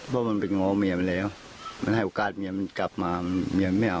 เพราะมันไปง้อเมียไปแล้วมันให้โอกาสเมียมันกลับมาเมียไม่เอา